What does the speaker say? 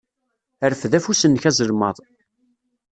Rfed afus-nnek azelmaḍ.